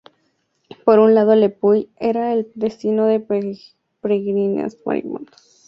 Por un lado Le Puy era el destino de peregrinos marianos.